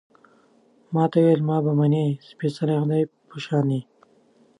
ما ته يې ویل، ما به منې، سپېڅلي خدای په شانې